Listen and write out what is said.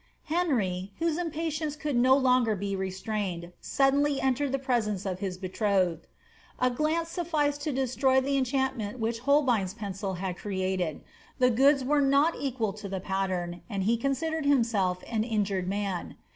Henry, whose impatience could no longer be restrained, suddenly entered the presence of his betrothed. A glance sufficed to destroy ths enchantment which Holbein's pencil had created ; the goods were not equal to pattern, and he considered himself an injured man.